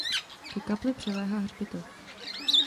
Ke kapli přiléhá hřbitov.